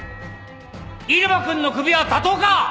入間君のクビは妥当か。